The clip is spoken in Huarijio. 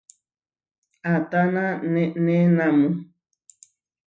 ¿Atána neʼnénamu?